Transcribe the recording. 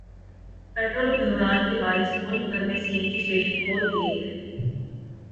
petrol بحران کے باعث ملک بھر کے سی این جی اسٹیشن کھول دیئے گئے